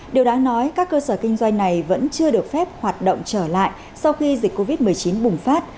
điều đáng nói các cơ sở kinh doanh này vẫn chưa được phép hoạt động trở lại sau khi dịch covid một mươi chín bùng phát